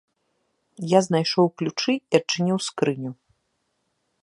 Я знайшоў ключы і адчыніў скрыню.